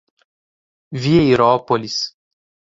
Vieirópolis